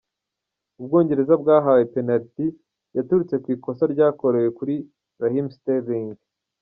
Ubwongereza bwahawe penaliti yaturutse ku ikosa ryakorewe kuri Raheem Sterling.